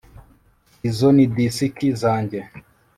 izo ni disiki zanjye